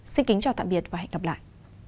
xin kính chào tạm biệt và hẹn gặp lại